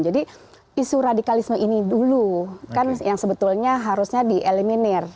jadi isu radikalisme ini dulu kan yang sebetulnya harusnya di eliminir